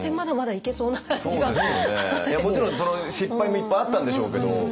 もちろん失敗もいっぱいあったんでしょうけど。